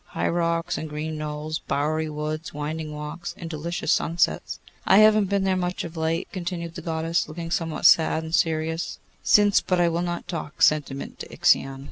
High rocks and green knolls, bowery woods, winding walks, and delicious sunsets. I have not been there much of late,' continued the Goddess, looking somewhat sad and serious, 'since but I will not talk sentiment to Ixion.